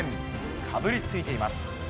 かぶりついています。